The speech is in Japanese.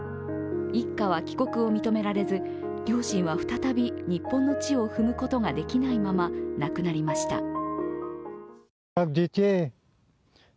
一家は帰国を認められず両親は再び日本の地を踏むことができないまま亡くなりました。